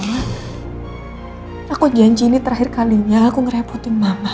hai aku janji ini terakhir kalinya aku nerepukin punya papa saya